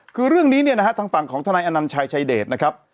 คือเรื่องนี้เนี่ยนะฮะทางฝั่งของทนายอนัญชัยชายเดชนะครับ